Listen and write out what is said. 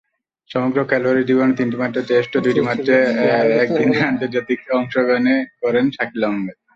সমগ্র খেলোয়াড়ী জীবনে তিনটিমাত্র টেস্ট ও দুইটিমাত্র একদিনের আন্তর্জাতিকে অংশগ্রহণ করেছেন শাকিল আহমেদ।